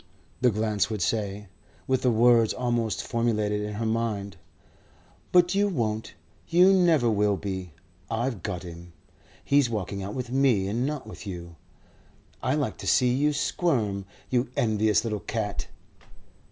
the glance would say, with the words almost formulated in her mind. "But you won't. You never will be. I've got him. He's walking out with me and not with you. I like to see you squirm, you envious little cat."